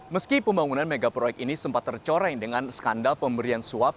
meski pembangunan megaproyek ini sempat tercoreng dengan skandal pemberian suap